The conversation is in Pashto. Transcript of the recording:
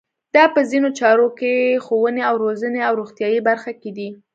دا په ځینو چارو لکه ښوونې او روزنې او روغتیایي برخه کې دي.